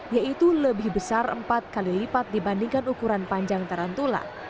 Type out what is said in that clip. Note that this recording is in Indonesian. yaitu lebih besar empat kali lipat dibandingkan ukuran panjang tarantula